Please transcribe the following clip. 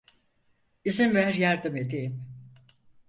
İzin ver yardım edeyim.